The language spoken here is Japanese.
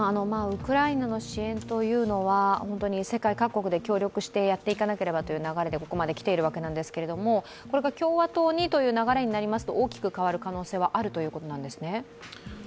ウクライナの支援というのは世界各国で協力してやっていかなければという流れでここまできてるわけですけれどもこれが共和党にという流れになりますと、大きく変わる可能性はあるということなんですね。